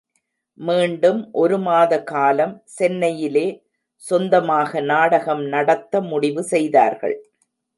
மீண்டும் ஒரு மாத காலம் சென்னையிலே சொந்தமாக நாடகம் நடத்த முடிவு செய்தார்கள்.